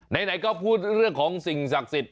ไหนก็พูดเรื่องของสิ่งศักดิ์สิทธิ